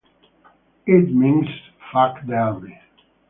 It means Fuck the Army.